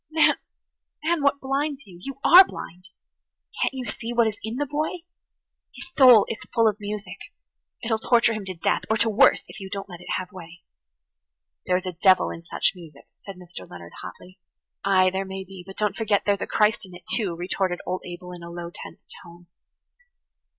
Man, man, what blinds you? You are blind. Can't you see what is in the boy? His soul is full of music. It'll torture him to death–or to worse–if you don't let it have way." "There is a devil in such music," said Mr. Leonard hotly. "Ay, there may be, but don't forget that there's a Christ in it, too," retorted old Abel in a low tense tone.